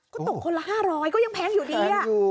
ก็ตกคนละ๕๐๐ก็ยังแพงอยู่ดี